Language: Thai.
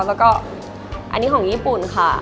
แล้วก็อันนี้ของญี่ปุ่นค่ะ